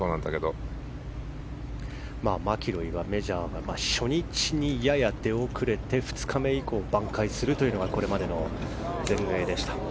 マキロイはメジャー初日にやや出遅れて２日目以降挽回するというのがこれまでの全英でした。